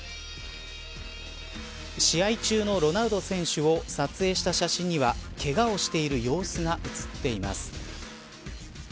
試合中のロナウド選手を撮影した写真にはけがをしている様子が写っています。